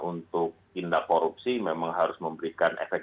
untuk tindak korupsi memang harus memberikan efek